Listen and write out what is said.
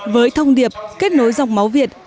với thông điệp kết nối dòng máu việt